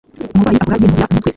Umurwayi ahora yinubira umutwe.